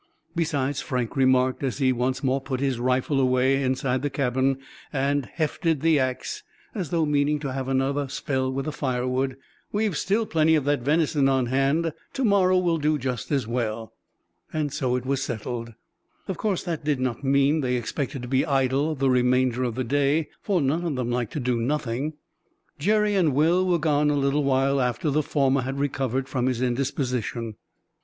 "Besides," Frank remarked, as he once more put his rifle away inside the cabin, and "hefted" the ax, as though meaning to have another spell with the firewood, "we've still plenty of that venison on hand. To morrow will do just as well." So it was settled. Of course, that did not mean they expected to be idle the remainder of the day, for none of them liked to do nothing. Jerry and Will were gone a little while after the former had recovered from his indisposition.